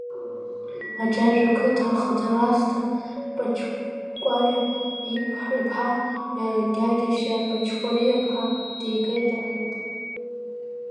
Аџьажә ақыҭа ахада Расҭа Паҷкәариа иԥҳа Гьагьашьа Паҷкәариа-ԥҳа дигеит, — рҳәеит.